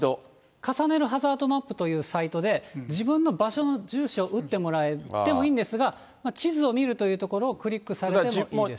重ねるハザードマップというサイトで、自分の場所の住所を打ってもらってもいいんですが、地図を見るというところをクリックされてもいいです。